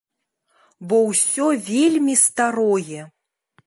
Бо ўсё вельмі старое.